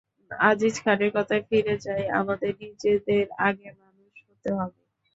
আজিজ খানের কথায় ফিরে যাই, আমাদের নিজেদের আগে মানুষ হতে হবে।